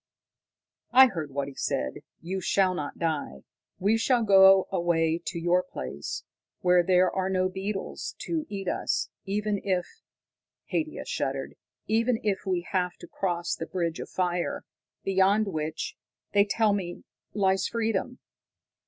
_ "I heard what he said. You shall not die. We shall go away to your place, where there are no beetles to eat us, even if" Haidia shuddered "even if we have to cross the bridge of fire, beyond which, they tell me, lies freedom."